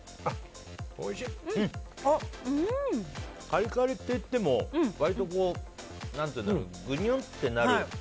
カリカリっていっても割と、ぐにゅんってなる。